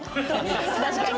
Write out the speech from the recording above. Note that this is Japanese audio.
確かにね。